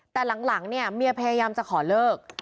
แต่หลังเนี่ยเมียพยายามจะขอเลิก